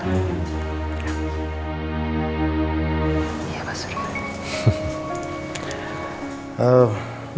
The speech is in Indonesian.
iya pak surya